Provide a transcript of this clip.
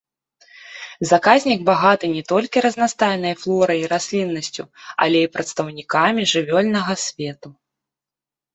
Заказнік багаты не толькі разнастайнай флорай і расліннасцю, але і прадстаўнікамі жывёльнага свету.